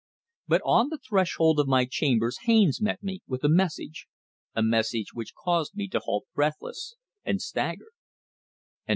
But on the threshold of my chambers Haines met me with a message a message which caused me to halt breathless and staggered.